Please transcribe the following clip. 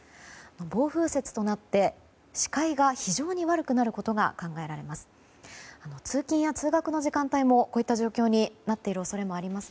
暴風雪となって視界が非常に悪くなることが考えられます。